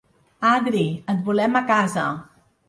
Adri, et volem a casa